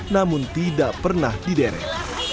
namun tidak pernah diderek